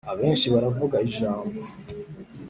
abenshi baravuga ijambo